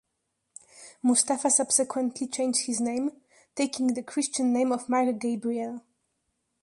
Mustafa subsequently changed his name, taking the Christian name of Mark Gabriel.